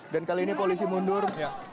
dan kali ini polisi mundur